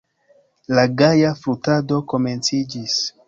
La gaja flutado komenciĝis.